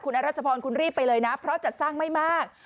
รัชพรคุณรีบไปเลยนะเพราะจัดสร้างไม่มาก